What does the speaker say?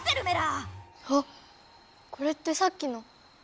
あっこれってさっきの！